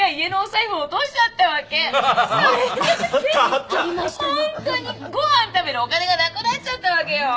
ホントにご飯食べるお金が無くなっちゃったわけよ。